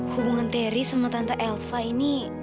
hubungan teri sama tante elva ini